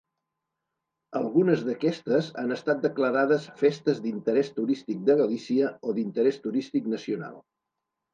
Algunes d'aquestes han estat declarades Festes d'interès turístic de Galícia o d'Interès turístic nacional.